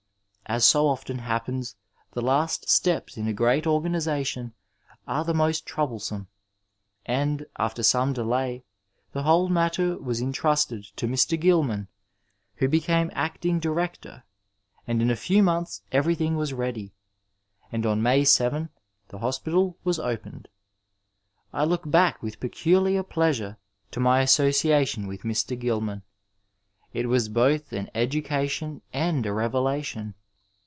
As so often happens the last steps in a great organization are the most troublesome, and after some delay the whole matter was intrusted to Mr. Gilman, who became acting director, and in a few months everything was ready, and on May 7 the hospital was opened. I look back with peculiar pleasure to my association with Mr. Oilman. It was both an education and a revelation.